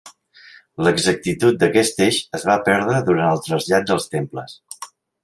L'exactitud d'aquest eix es va perdre durant el trasllat dels temples.